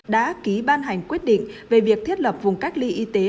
đã ký ban hành quyết định về việc thiết lập vùng cách ly y tế